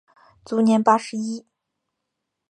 卒年八十一。